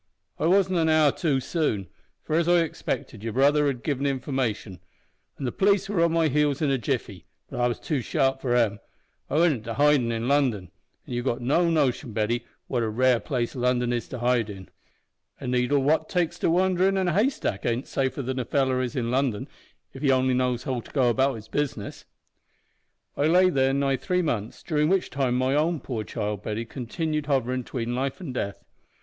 I wasn't an hour too soon, for, as I expected, your brother had given information, an' the p'lice were on my heels in a jiffy, but I was too sharp for 'em. I went into hidin' in London; an' you've no notion, Betty, what a rare place London is to hide in! A needle what takes to wanderin' in a haystack ain't safer than a feller is in London, if he only knows how to go about the business. "I lay there nigh three months, durin' which time my own poor child Betty continued hoverin' 'tween life an death.